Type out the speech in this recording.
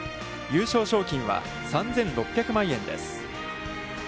優勝賞金は、３６００万円です。